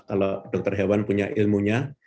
kalau dokter hewan punya ilmunya